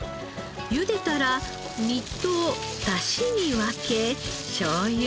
ゆでたら身と出汁に分けしょうゆ